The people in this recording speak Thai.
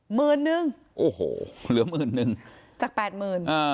หมื่นนึงโอ้โหเหลือหมื่นนึงจากแปดหมื่นอ่า